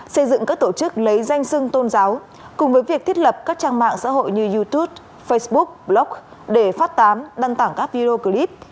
xây dựng các tổ chức lấy danh sưng tôn giáo cùng với việc thiết lập các trang mạng xã hội như youtube facebook blog để phát tán đăng tải các video clip